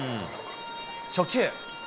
初球。